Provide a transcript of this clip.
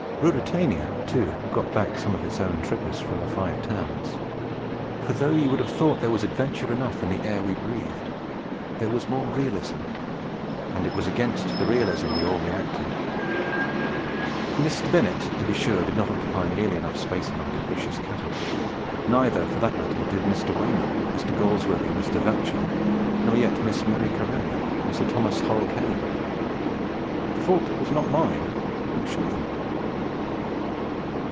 Ruritania, too, got back some of its own trippers from the Five Towns; for though you would have thought there was adventure enough in the air we breathed, there was more realism, and it was against the realism we all reacted. Mr. Bennett, to be sure, did not occupy nearly enough space in our capricious catalogue; neither, for that matter, did Mr. Weyman, Mr. Galsworthy, Mr. Vachell, nor yet Miss Marie Corelli or Sir Thomas Hall Caine. The fault was not mine, I can assure them.